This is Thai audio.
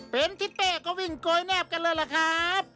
เป็นทิศเป้ก็วิ่งโกยแนบกันเลยล่ะครับ